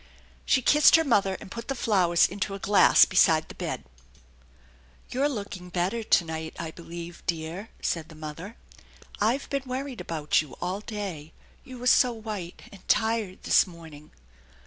She kissed her mother, and put the flowers into a glass beside the bed. " You're looking better to night, I believe, dear," said the mother. " I've been worried about you all day. You were so white and tired this morning."